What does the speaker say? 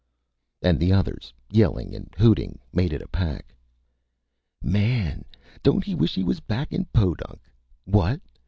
And the others, yelling and hooting, made it a pack: "Man don't he wish he was back in Podunk!... What!